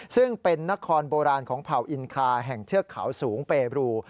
ซึ่งเป็นนครโบราณของเผ่าอินคาแห่งเทือกเขาสูงเปบรู